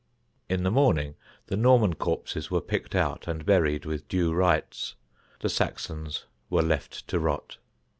In the morning the Norman corpses were picked out and buried with due rites; the Saxons were left to rot.